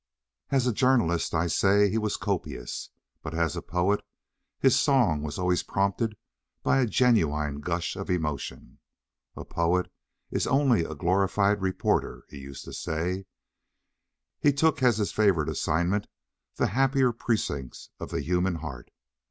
As a journalist, I say, he was copious; but as a poet his song was always prompted by a genuine gush of emotion. "A poet is only a glorified reporter," he used to say; he took as his favourite assignment the happier precincts of the human heart.